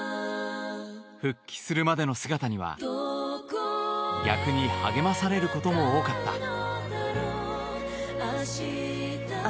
復帰するまでの姿には逆に励まされることも多かった。